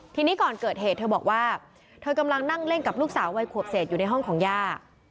ทีนี้ก่อนเกิดเหตุเธอบอกว่าเธอกำลังนั่งเล่นกับลูกสาววัยขวบเศษอยู่ในห้องของย่า